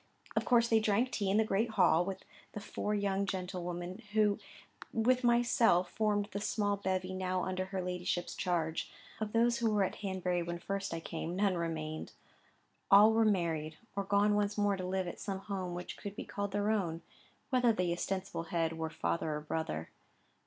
Of course they drank tea in the great hall, with the four young gentlewomen, who, with myself, formed the small bevy now under her ladyship's charge. Of those who were at Hanbury when first I came, none remained; all were married, or gone once more to live at some home which could be called their own, whether the ostensible head were father or brother.